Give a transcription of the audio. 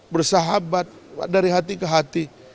bersahabat dari hati ke hati